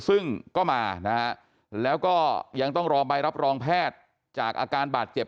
ซึ่งก็มานะฮะแล้วก็ยังต้องรอใบรับรองแพทย์จากอาการบาดเจ็บ